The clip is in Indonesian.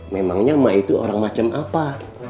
memangnya emak itu orang macam apa